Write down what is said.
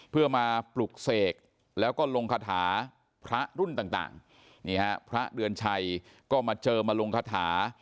เพื่อมาปลุกเสกแล้วก็ลงคาถาพระรุ่นต่างนี่ฮะพระเดือนชัยก็มาเจอมาลงคาถา